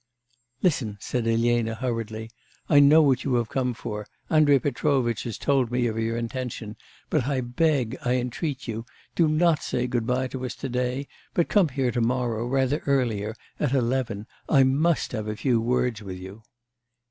'Listen,' said Elena hurriedly; 'I know what you have come for; Andrei Petrovitch told me of your intention, but I beg, I entreat you, do not say good bye to us to day, but come here to morrow rather earlier, at eleven. I must have a few words with you.